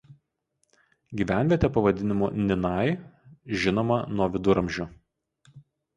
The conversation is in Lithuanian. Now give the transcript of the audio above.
Gyvenvietė pavadinimu "Ninai" žinoma nuo viduramžių.